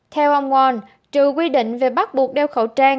theo ông ngoan trừ quy định về bắt buộc đeo khẩu trang